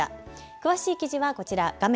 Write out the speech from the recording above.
詳しい記事はこちら画面